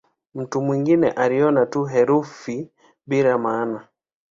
Mtu mwingine aliona tu herufi bila maana.